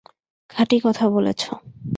খাঁটি কথা বলেছ।